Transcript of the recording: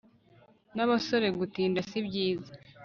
n'abasore gutinda sibyiza